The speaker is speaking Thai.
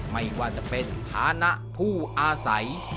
ไม่ว่าจะเป็นฐานะผู้อาศัย